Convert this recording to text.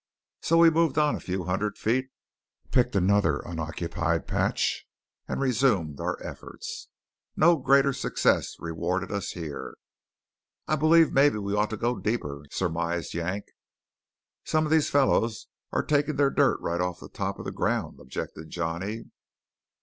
So we moved on a few hundred feet, picked another unoccupied patch, and resumed our efforts. No greater success rewarded us here. "I believe maybe we ought to go deeper," surmised Yank. "Some of these fellows are taking their dirt right off top of the ground," objected Johnny.